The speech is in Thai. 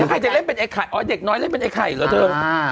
ใครจะเล่นเป็นไอ้ไข่อ๋อเด็กน้อยเล่นเป็นไอไข่เหรอเธอ